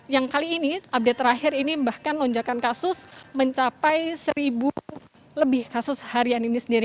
yang kali ini update terakhir ini bahkan lonjakan kasus mencapai seribu lebih kasus harian ini sendiri